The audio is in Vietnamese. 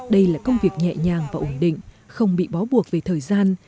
đây là công việc nhẹ nhàng và ổn định không bị bó buộc về thời gian